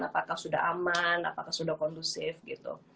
apakah sudah aman apakah sudah kondusif gitu